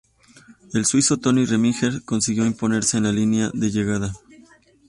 El suizo Tony Rominger consiguió imponerse en la línea de llegada.